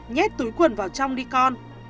nhét túi quần vào trong đi con